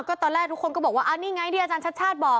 ก็ตอนแรกทุกคนก็บอกว่านี่ไงที่อาจารย์ชัดชาติบอก